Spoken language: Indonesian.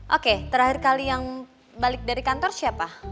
oke terakhir kali yang balik dari kantor siapa